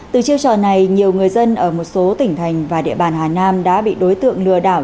từ chiêu trò này nhiều người dân ở một số tỉnh thành và địa bàn hà nam đã bị đối tượng lừa đảo